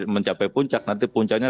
mencapai puncak nanti puncaknya